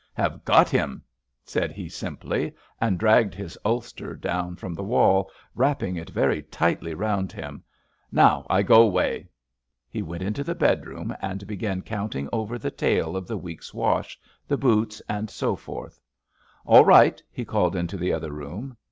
Have got him, said he simply, and dragged his ulster down from the wall, wrapping it very tightly round him. Now I go Vay. He went into the bedroom, and began counting over the tale of the week's wash, the boots, and 296 ABAFT THE FUNNEL so forth. *^ All right/' he called into the other room.